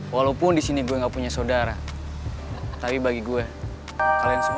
walaupun di sini gue gak punya saudara tapi bagi gue kalian semua